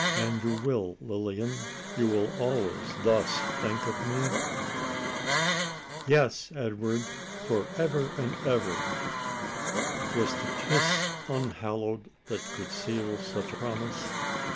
"And you will, Lilian you will always thus think of me?" "Yes, Edward! for ever and ever!" Was the kiss unhallowed that could seal such promise?